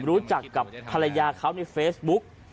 รู้จักกับภรรยาเขาในเฟซบุ๊ก